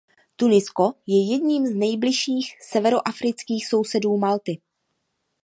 Tunisko je jedním z nejbližších severoafrických sousedů Malty.